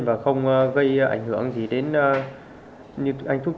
và không gây ảnh hưởng gì đến những ánh thuốc tây